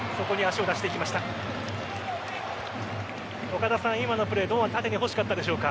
岡田さん、今のプレー堂安縦に欲しかったでしょうか？